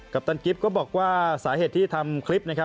ปตันกิฟต์ก็บอกว่าสาเหตุที่ทำคลิปนะครับ